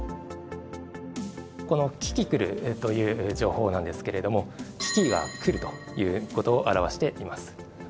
このキキクルという情報なんですけれども「危機が来る」ということを表しています。